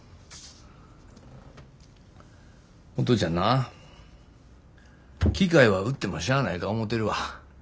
お父ちゃんな機械は売ってもしゃあないか思てるわ。